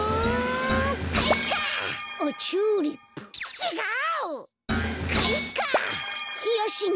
ちがう！